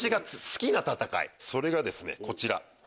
それがですねこちら。